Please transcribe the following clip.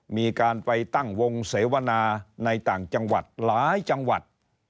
มีการไปตั้งวงเสวนาในต่างจังหวัดหลายจังหวัด